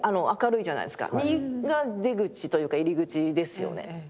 右が出口というか入り口ですよね。